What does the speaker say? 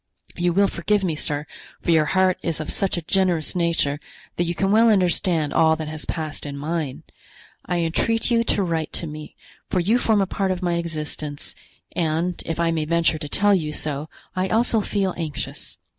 You will forgive me, sir, for your heart is of such a generous nature that you can well understand all that has passed in mine. I entreat you to write to me, for you form a part of my existence, and, if I may venture to tell you so, I also feel anxious.